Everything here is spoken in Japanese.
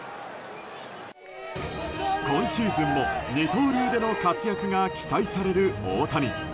今シーズンも二刀流での活躍が期待される大谷。